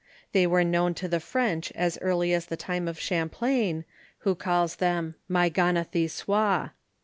They were known to the French as early as the time of Champlain, who calls them "Mayganathicoise."